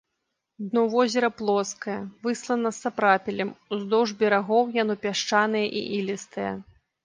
Дно возера плоскае, выслана сапрапелем, уздоўж берагоў яно пясчанае і ілістае.